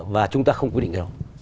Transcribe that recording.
và chúng ta không quy định cái đó